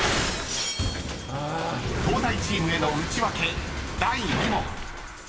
［東大チームへのウチワケ第２問］